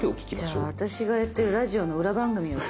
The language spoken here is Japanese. じゃあ私がやってるラジオの裏番組を。